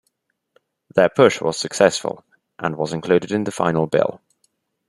Their push was successful and was included in the final bill.